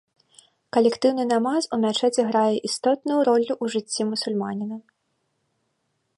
Калектыўны намаз ў мячэці грае істотную ролю ў жыцці мусульманіна.